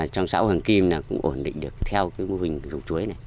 trong xã hoàng kim cũng ổn định được theo cái mô hình trồng chuối này